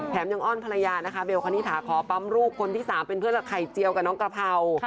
ยังอ้อนภรรยานะคะเบลคณิตถาขอปั๊มลูกคนที่๓เป็นเพื่อนไข่เจียวกับน้องกระเพรา